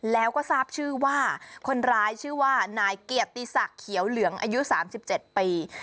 แล้วก็ทราบชื่อว่าคนร้ายชื่อว่านายเกียรติศักดิ์เขียวเหลืองอายุ๓๗ปี